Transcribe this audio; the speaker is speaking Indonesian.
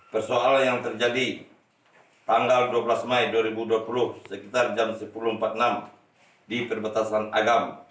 persoalan yang terjadi tanggal dua belas mei dua ribu dua puluh sekitar jam sepuluh empat puluh enam di perbatasan agam